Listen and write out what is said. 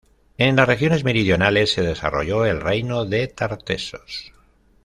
En las regiones meridionales se desarrolló el reino de Tartessos.